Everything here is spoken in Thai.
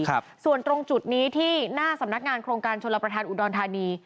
ครับส่วนตรงจุดนี้ที่หน้าสำนักงานโครงการชนรับประทานอุดรธานี